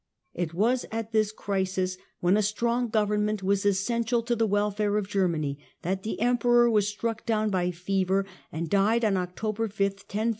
It was at this crisis, when a strong government was essential to the welfare of Germany, that the Emperor was struck down by fever and died on October 5, 1056.